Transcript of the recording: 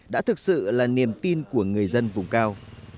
đã thực sự là niềm tin của người dân vùng cao